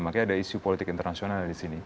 makanya ada isu politik internasional di sini